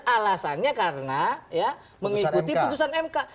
alasannya karena mengikuti putusan mk